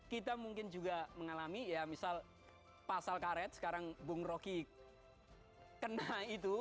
kita mungkin juga mengalami ya misal pasal karet sekarang bung rocky kena itu